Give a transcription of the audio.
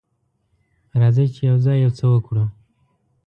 راځئ چې یوځای یو څه وکړو.